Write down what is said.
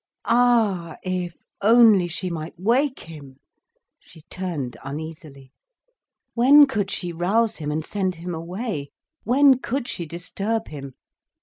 Ah, if only she might wake him! She turned uneasily. When could she rouse him and send him away? When could she disturb him?